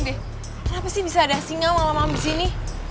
kenapa sih bisa ada sinyal malam malam di sini